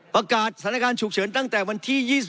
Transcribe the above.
ประกาศสถานการณ์ฉุกเฉินตั้งแต่วันที่๒๒